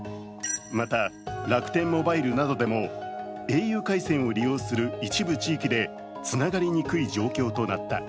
また、楽天モバイルなどでもａｕ回戦などを利用する一部地域でつながりにくい状況となった。